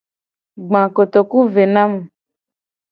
Gba kotoku ve na mu.